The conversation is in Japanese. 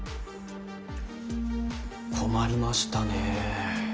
困りましたねえ。